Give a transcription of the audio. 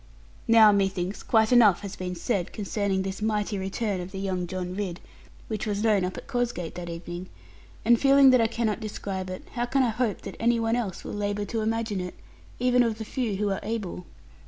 Now, methinks, quite enough has been said concerning this mighty return of the young John Ridd (which was known up at Cosgate that evening), and feeling that I cannot describe it, how can I hope that any one else will labour to imagine it, even of the few who are able?